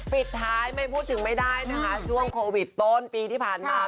ปิดท้ายไม่พูดถึงไม่ได้นะคะช่วงโควิดต้นปีที่ผ่านมา